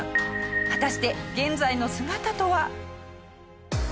果たして現在の姿とは。